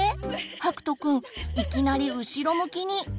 はくとくんいきなり後ろ向きに！